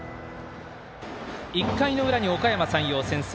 １回の裏におかやま山陽、先制。